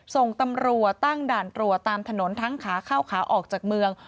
ส่งตำรวจตั้งด่านตรวจตามถนนทั้งขาเข้าขาออกจากเมือง